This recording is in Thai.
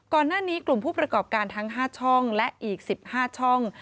ก่อนหน้านี้กลุ่มผู้ประกอบการทั้ง๕ช่องและอีก๑๕ช่อง